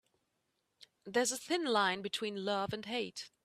There is a thin line between love and hate.